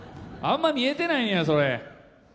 あんま見えてないんや、それ。